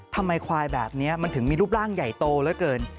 ทำไมควายแบบนี้มันถึงมีรูปร่างใหญ่โตเหลือเกิน